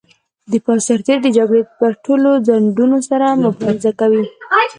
د پوځ سرتیري د جګړې پر ټولو ځنډونو سره مبارزه کوي.